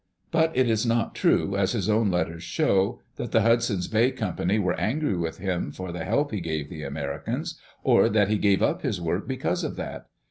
But it is not true, as his own letters show, that the Hudson's Bay Company were angry with him for the help he gave the Americans, or that he gave up his work because of that.